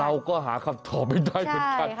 เราก็หาคำตอบไม่ได้เหมือนกัน